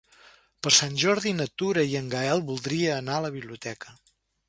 Per Sant Jordi na Tura i en Gaël voldria anar a la biblioteca.